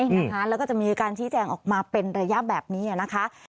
เพราะฉะนั้นเราก็จะมีการที่แจ้งออกมาเป็นระยะแบบนี้นะคะ